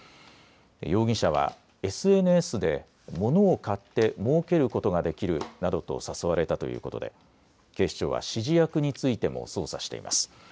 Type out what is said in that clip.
容疑者はＳＮＳで物を買ってもうけることができるなどと誘われたということで警視庁は指示役についても捜査しています。